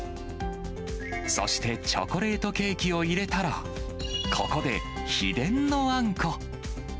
そしてチョコレートケーキを入れたら、ここで秘伝のあんこ。